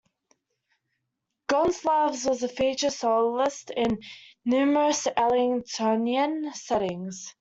Gonsalves was a featured soloist in numerous Ellingtonian settings.